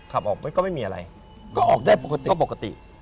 ขับออกก็ไม่มีอะไรก็ออกได้ปกติ